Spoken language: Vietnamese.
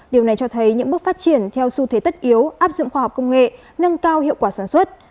điều này cho thấy những bước phát triển theo xu thế tất yếu áp dụng khoa học công nghệ nâng cao hiệu quả sản xuất